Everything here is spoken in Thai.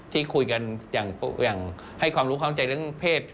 ที่คุยกันอย่างให้ความรู้ความเข้าใจเรื่องเพศ